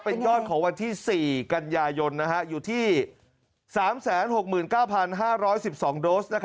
เป็นยอดของวันที่๔กันยายนอยู่ที่๓๖๙๕๑๒โดส